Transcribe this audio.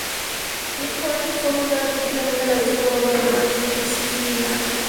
Jet Courier fue fundada prácticamente a la vez por Donald Wright en Cincinnati.